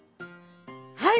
はい。